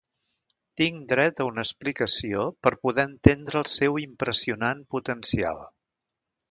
Tinc dret a una explicació per poder entendre el seu impressionant potencial.